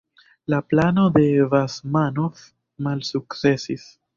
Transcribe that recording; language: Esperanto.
La plano de Basmanov malsukcesis.